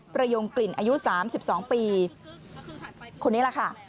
ประโยงกลิ่นอายุสามสิบสองปีคนนี้แหละค่ะ